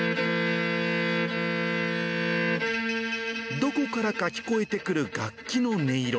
どこからか聞こえてくる楽器の音色。